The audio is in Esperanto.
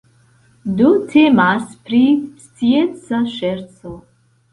Do temas pri scienca ŝerco.